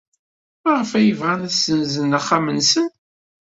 Maɣef ay bɣan ad ssenzen axxam-nsen?